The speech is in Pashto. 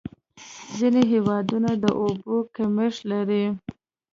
ځینې هېوادونه د اوبو کمښت لري.